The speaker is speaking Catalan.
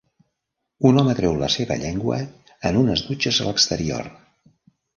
Un home treu la seva llengua en unes dutxes a l'exterior.